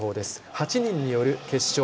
８人による決勝。